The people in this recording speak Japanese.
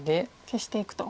消していくと。